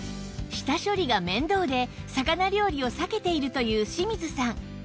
下処理が面倒で魚料理を避けているという清水さん